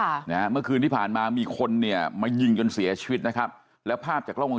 นะครับเมื่อคืนที่ผ่านมามีคนนี้มายินจนเสียชีวิตนะครับแล้วภาพจากโลคร่อง